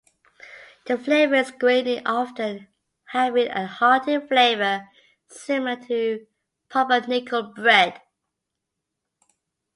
The flavour is grainy, often having a hearty flavour similar to pumpernickel bread.